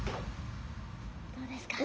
どうですか？